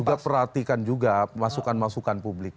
juga perhatikan juga masukan masukan publik